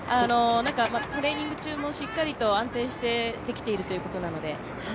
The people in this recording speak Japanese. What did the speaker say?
トレーニング中もしっかりと安定してできているということなので。